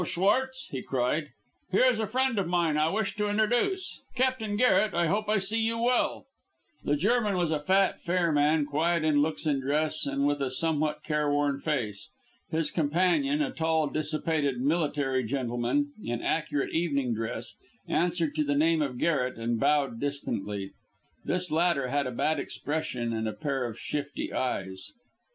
Schwartz," he cried. "Here is a friend of mine I wish to introduce. Captain Garret, I hope I see you well?" The German was a fat, fair man, quiet in looks and dress, and with a somewhat careworn face. His companion, a tall, dissipated, military gentleman, in accurate evening dress, answered to the name of Garret, and bowed distantly. This latter had a bad expression and a pair of shifty eyes.